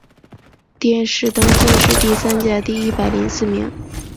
殿试登进士第三甲第一百零四名。